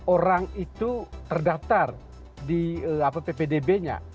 orang itu terdaftar di ppdb nya